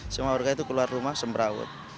semua warga itu keluar rumah semberawet